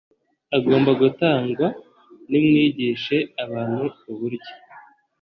agomba gutangwa Nimwigishe abantu uburyo